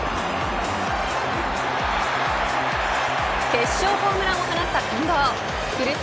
決勝ホームランを放った近藤古巣